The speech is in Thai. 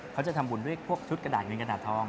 เขาจะทำบุญด้วยพวกชุดกระดาษเงินกระดาษทอง